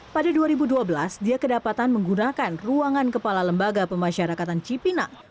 pada dua ribu dua belas dia kedapatan menggunakan ruangan kepala lembaga pemasyarakatan cipinang